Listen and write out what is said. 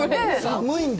寒いんだ。